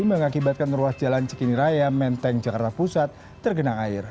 mengakibatkan ruas jalan cikini raya menteng jakarta pusat tergenang air